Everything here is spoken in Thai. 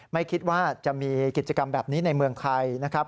ไม่คิดว่าจะมีกิจกรรมแบบนี้ในเมืองไทยนะครับ